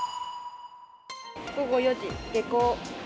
午後４時、下校。